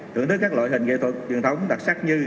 thưởng thức các loại hình nghệ thuật truyền thống đặc sắc như